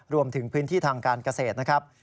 รวมถึงพื้นที่ทางการเกษตรนะครับ